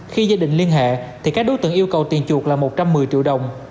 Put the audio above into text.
khi gia đình liên hệ thì các đối tượng yêu cầu tiền chuột là một trăm một mươi triệu đồng